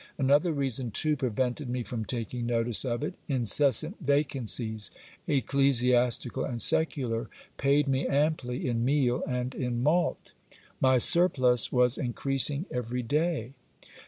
Another reason, too, prevented me from taking notice of it ; incessant vacancies, ecclesiastical and secular, paid me amply in meal and in malt. My surplus was increasing every day.